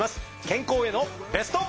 健康へのベスト。